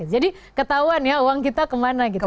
jadi ketahuan ya uang kita kemana gitu